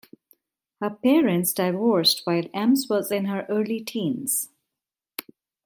Her parents divorced while Emms was in her early teens.